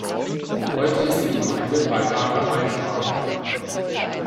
Heute ist die Gemeinde beinahe einsprachig.